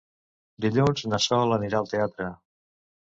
Dilluns na Sol anirà al teatre.